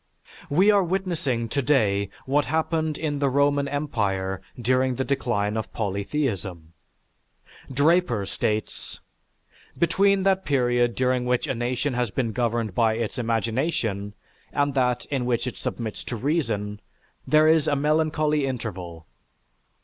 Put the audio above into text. We are witnessing today what happened in the Roman empire during the decline of polytheism. Draper states: "Between that period during which a nation has been governed by its imagination, and that in which it submits to reason, there is a melancholy interval.